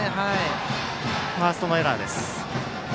ファーストのエラーです。